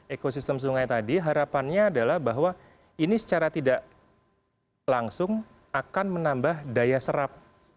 ekosistem sungai tadi harapannya adalah bahwa ini secara tidak langsung akan menambah daya serap